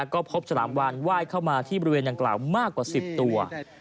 ก็พบฉลามวานไหว้เข้ามาที่บริเวณดังกล่าวมากกว่า๑๐ตัว